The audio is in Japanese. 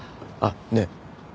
あっねえ